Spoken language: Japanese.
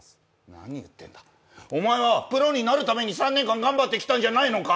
何言ってんだ、お前はプロになるために３年間頑張ってきたんじゃないのか？